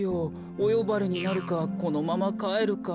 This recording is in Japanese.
およばれになるかこのままかえるか。